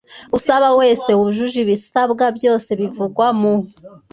usaba wese wujuje ibisabwa byose bivugwa mu